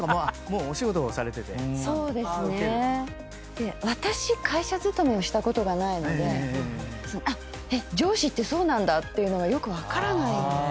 で私会社勤めをしたことがないので上司ってそうなんだっていうのがよく分からない。